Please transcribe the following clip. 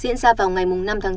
diễn ra vào ngày năm tháng bốn